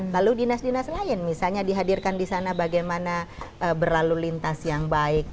lalu dinas dinas lain misalnya dihadirkan di sana bagaimana berlalu lintas yang baik